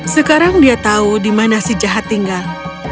sekarang dia tahu di mana si jahat tinggal